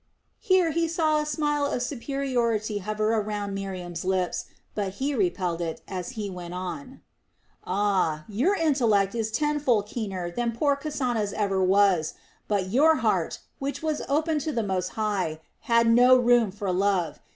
Here he saw a smile of superiority hover around Miriam's lips; but he repelled it, as he went on: "Ah, your intellect is tenfold keener than poor Kasana's ever was. But your heart, which was open to the Most High, had no room for love.